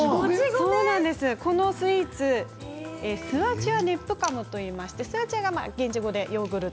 このスイーツスアチュア・ネップカムといいまして、スアチュアは現地語でヨーグルト。